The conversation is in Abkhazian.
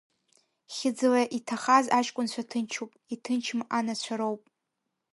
Хьыӡла иҭахаз аҷкәынцәа ҭынчуп, иҭынчым анацәа роуп.